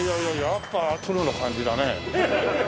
やっぱプロの感じだね。